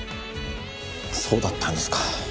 そうだったんですか。